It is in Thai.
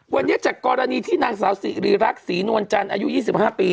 วันนี้จากกรณีที่นางสาวสิริรักษ์ศรีนวลจันทร์อายุ๒๕ปี